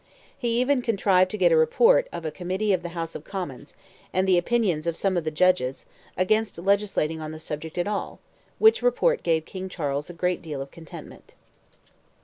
He even contrived to get a report of a Committee of the House of Commons, and the opinions of some of the Judges, against legislating on the subject at all, which report gave King Charles "a great deal of contentment."